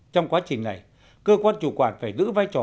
trong quá trình này cơ quan chủ quản phải giữ vai trò